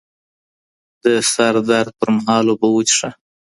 د سر درد پر مهال اوبه وڅښه